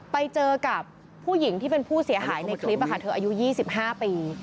ไปเจอกับผู้หญิงที่เป็นผู้เสียหายในคลิปเธออายุ๒๕ปี